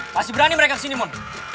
pasti berani mereka kesini mon